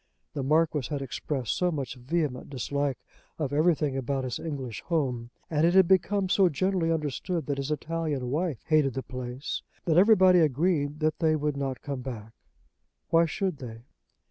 The Marquis had expressed so much vehement dislike of everything about his English home, and it had become so generally understood that his Italian wife hated the place, that everybody agreed that they would not come back. Why should they?